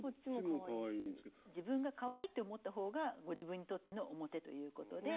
自分がかわいいと思った方がご自分にとっての表ということで。